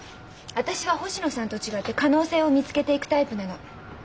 私は星野さんと違って可能性を見つけていくタイプなの。